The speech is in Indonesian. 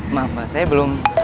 maaf mbak saya belum